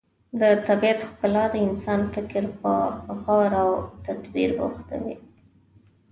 د طبیعت ښکلا د انسان فکر په غور او تدبر بوختوي.